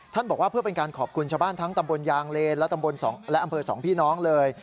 บอกว่าเพื่อเป็นการขอบคุณชาวบ้านทั้งตำบลยางเลนและตำบลและอำเภอสองพี่น้องเลย